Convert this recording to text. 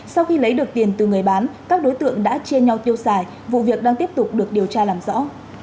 sau khi lấy được tiền từ người bán các đối tượng đã chia nhau tiêu xài vụ việc đang tiếp tục được điều tra làm rõ